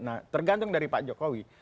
nah tergantung dari pak jokowi